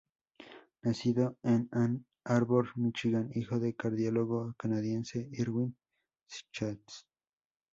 Nacido en Ann Arbor, Michigan, hijo del cardiólogo canadiense Irwin Schatz.